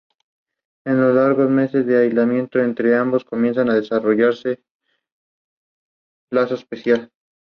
Al final de la campaña, sólo el Real Valladolid supera al Deportivo.